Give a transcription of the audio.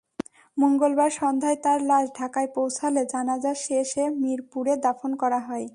মঙ্গলবার সন্ধ্যায় তাঁর লাশ ঢাকায় পৌঁছালে জানাজা শেষে মিরপুরে দাফন করা হয়।